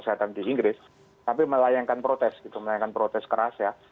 menghargai persetan di inggris tapi melayangkan protes melayangkan protes keras ya